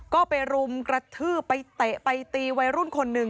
ก็ไปรุมกระทืบไปเตะไปตีวัยรุ่นคนหนึ่ง